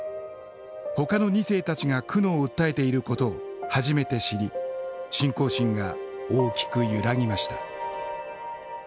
ほかの２世たちが苦悩を訴えていることを初めて知り信仰心が大きく揺らぎました。